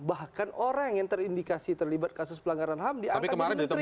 bahkan orang yang terindikasi terlibat kasus pelanggaran ham diangkat jadi menteri